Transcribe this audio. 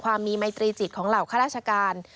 ความมีไมตรีจิตของเหล่าข้าราชการ